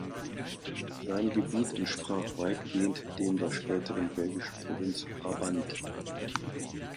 Sein Gebiet entsprach weitgehend dem der späteren belgischen Provinz Brabant.